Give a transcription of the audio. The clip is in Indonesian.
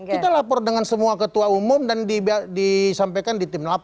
kita lapor dengan semua ketua umum dan disampaikan di tim delapan